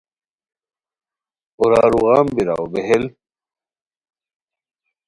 اورارو غم بیراؤ بیہیل